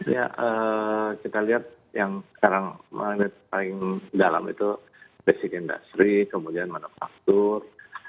ya kita lihat yang sekarang paling dalam itu basic industry kemudian manufaktur